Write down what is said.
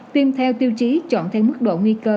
tiêm theo tiêu chí chọn theo mức độ nguy cơ